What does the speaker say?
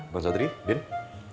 mas adri din ikut yuk